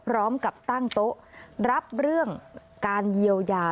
พร้อมกับตั้งโต๊ะรับเรื่องการเยียวยา